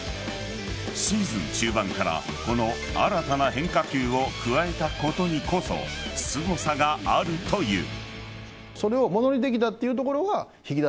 シーズン中盤からこの新たな変化球を加えたことにこそすごさがあるという。